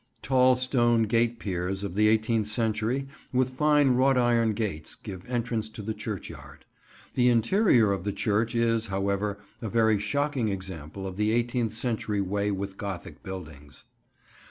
Tall stone gate piers of the eighteenth century, with fine wrought iron gates, give entrance to the churchyard. The interior of the church is, however, a very shocking example of the eighteenth century way with Gothic buildings.